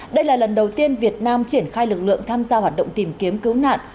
đây là lần đầu tiên việt nam triển khai lực lượng tham gia hoạt động tìm kiếm cứu nạn